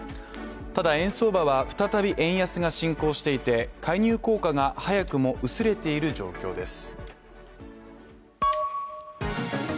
ただ、円相場は再び円安が進行していて介入効果が早くも薄れている状況です。